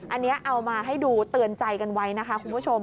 อันนี้เอามาให้ดูเตือนใจกันไว้นะคะคุณผู้ชม